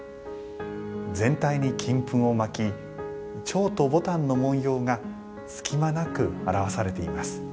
全体に金ぱくをまき蝶と牡丹の文様が隙間なく表されています。